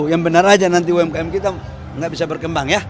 yang benar aja nanti umkm kita nggak bisa berkembang ya